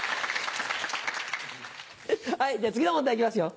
じゃあ次の問題行きますよ。